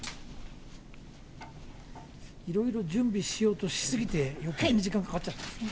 いろいろ準備しようとし過ぎて、よけいに時間かかっちゃった。